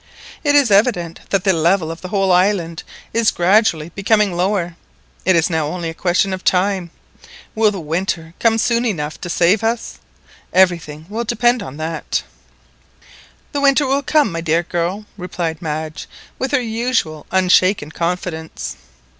It is evident that the level of the whole island is gradually becoming lower. It is now only a question of time. Will the winter come soon enough to save us? Everything depends upon that." "The winter will come, my dear girl," replied Madge with her usual unshaken confidence.